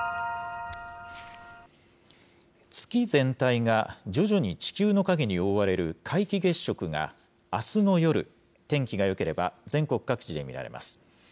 月全体が徐々に地球の影に覆われる、皆既月食が、あすの夜、天気がよければ全国各地で見られます。